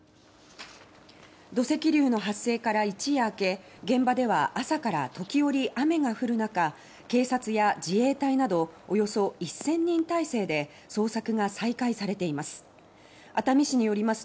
土石流の発生から一夜明け現場では朝から時折雨が降る中警察や自衛隊などおよそ１０００人態勢で捜索が再開されています。